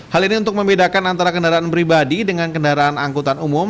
hal ini untuk membedakan antara kendaraan pribadi dengan kendaraan angkutan umum